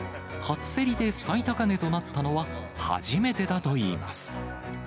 初競りで最高値となったのは初めてだといいます。